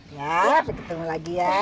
ya kita ketemu lagi ya